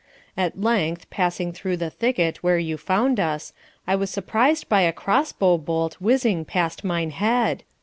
At length, passing through the thicket where you found us, I was surprised by a cross bow bolt whizzing past mine head.